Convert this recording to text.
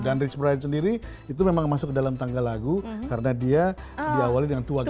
dan rich brian sendiri itu memang masuk ke dalam tangga lagu karena dia diawali dengan tuwagapat